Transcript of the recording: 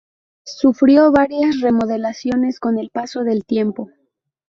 Sufrió varias remodelaciones con el paso del tiempo.